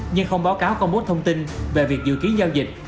nhưng không báo cáo công bố thông tin về việc dự kiến giao dịch